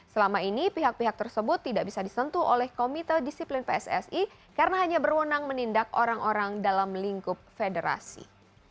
selama ini pihak pihak tersebut tidak bisa disentuh oleh komite disiplin pssi karena hanya berwenang menindak orang orang dalam lingkup federasi